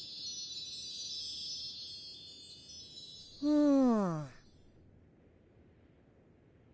うん。